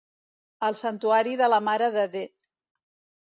El santuari de la Mare de D